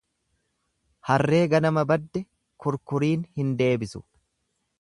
Harree ganama badde kurkuriin hin deebisu.